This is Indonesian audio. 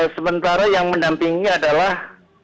sementara yang mendampingi adalah